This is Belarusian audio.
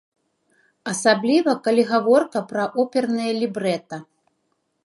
Асабліва калі гаворка пра опернае лібрэта.